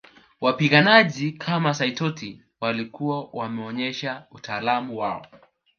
Wapiganaji kama Saitoti walikuwa wameonyesha utaalam wao